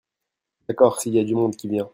D'accord, s'il y a du monde qui vient.